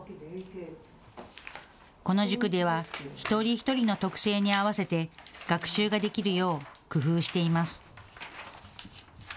この塾では一人一人の特性に合わせて学習ができるよう工夫しています。